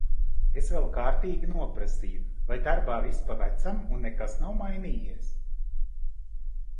Es vēl kārtīgi noprasīju, vai darbā viss pa vecam un nekas nav mainījies?